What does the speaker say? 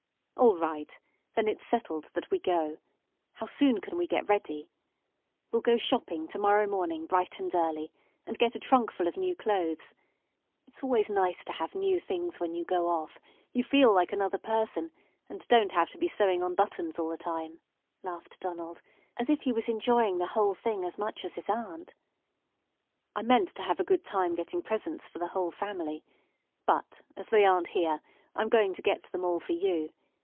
"All right. Then it's settled that we go. How soon can we get ready? We'll go shopping to morrow morning bright and early, and get a trunkful of new clothes. It's always nice to have new things when you go off; you feel like another person, and don't have to be sewing on buttons all the time," laughed Donald, as if he was enjoying the whole thing as much as his aunt. "I meant to have a good time getting presents for the whole family; but, as they aren't here, I'm going to get them all for you.